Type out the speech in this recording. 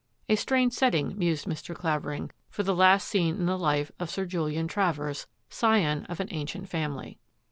A strange setting, mused Mr. Clavering, for the last scene in the life of Sir Julian Travers, scion of an ancient family.